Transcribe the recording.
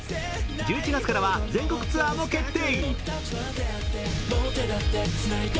１１月からは全国ツアーも決定！